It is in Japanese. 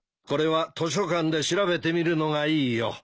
これは図書館で調べてみるのがいいよ。